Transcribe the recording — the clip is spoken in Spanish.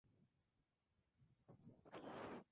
Actualmente entrena a la Selección de fútbol de Filipinas.